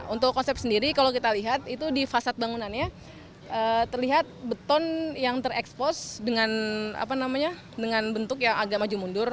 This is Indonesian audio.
untuk konsep sendiri kalau kita lihat itu di fasad bangunannya terlihat beton yang terekspos dengan bentuk yang agak maju mundur